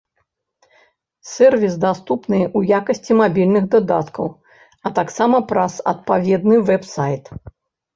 Сэрвіс даступны ў якасці мабільных дадаткаў, а таксама праз адпаведны вэб-сайт.